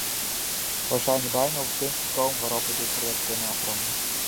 We zijn nu bijna op het punt gekomen waarop we dit project kunnen afronden.